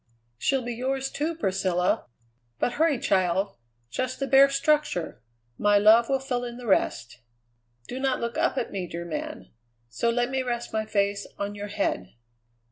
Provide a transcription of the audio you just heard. "She'll be yours, too, Priscilla. But hurry, child! Just the bare structure; my love will fill in the rest." "Do not look up at me, dear man! So, let me rest my face on your head.